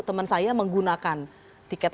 teman saya menggunakan tiket